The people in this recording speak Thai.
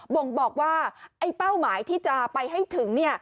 บ่งบอกว่าไอ้เป้าหมายที่จะไปให้ถึง